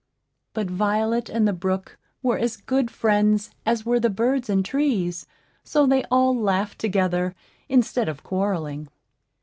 But Violet and the brook were as good friends as were the birds and trees; so they all laughed together, instead of quarrelling.